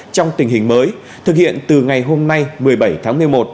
trong tình hình mới thực hiện từ ngày hôm nay một mươi bảy tháng một mươi một